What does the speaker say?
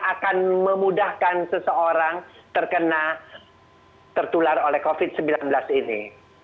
akan memudahkan seseorang tertular oleh covid sembilan belas ini